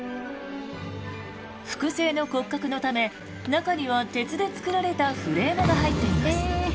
複製の骨格のため中には鉄で作られたフレームが入っています。